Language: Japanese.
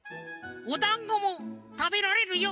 おだんごもたべられるよ。